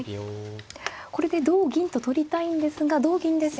これで同銀と取りたいんですが同銀ですと。